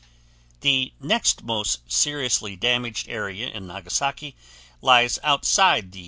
The next most seriously damaged area in Nagasaki lies outside the 2.